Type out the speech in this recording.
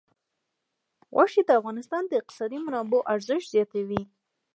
غوښې د افغانستان د اقتصادي منابعو ارزښت زیاتوي.